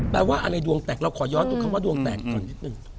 แปลว่าอะไรดวงแตกเราขอย้อนคำว่าลองแตกค่อยนิดนึง